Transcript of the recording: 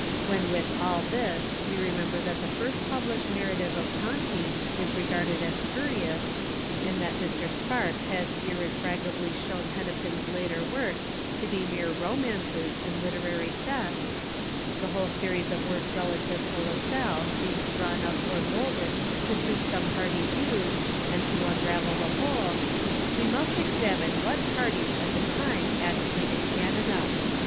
When with all this we remember that the first published narrative of Tonty is regarded as spurious, and that Mr. Sparks has irrefragably shown Hennepin's later works to be mere romances and literary thefts; the whole ecries of works relative to La Salle seems drawn up or moulded to suit some party views, and to uni ^yel the whole, we must examine what parties at the time agitated Canada.